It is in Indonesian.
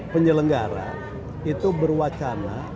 penyelenggara itu berwacana